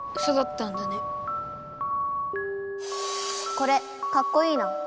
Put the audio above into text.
これかっこいいな。